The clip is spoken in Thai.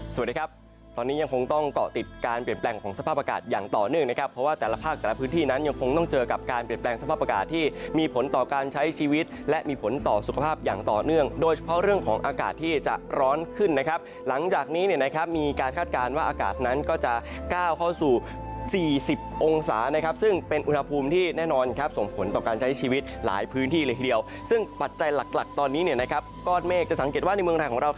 สวัสดีครับตอนนี้ยังคงต้องเกาะติดการเปลี่ยนแปลงของสภาพอากาศอย่างต่อเนื่องนะครับเพราะว่าแต่ละภาคแต่ละพื้นที่นั้นยังคงต้องเจอกับการเปลี่ยนแปลงสภาพอากาศที่มีผลต่อการใช้ชีวิตและมีผลต่อสุขภาพอย่างต่อเนื่องโดยเฉพาะเรื่องของอากาศที่จะร้อนขึ้นนะครับหลังจากนี้เนี่ยนะครับมีการค